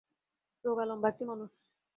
রোগা, লম্বা একটি মানুষ।